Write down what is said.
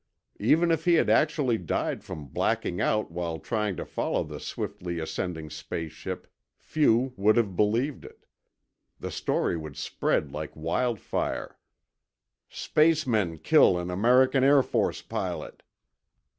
Even if he had actually died from blacking out while trying to follow the swiftly ascending space ship, few would have believed it. The story would spread like wildfire: _Spacemen kill an American Air Force Pilot!